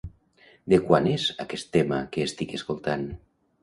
De quan és aquest tema que estic escoltant?